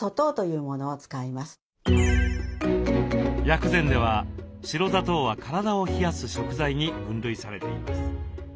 薬膳では白砂糖は体を冷やす食材に分類されています。